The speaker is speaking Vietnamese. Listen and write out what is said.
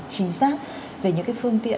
chính xác về những cái phương tiện